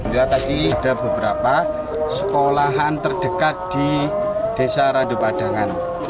kita tadi ada beberapa sekolahan terdekat di desa radupadangan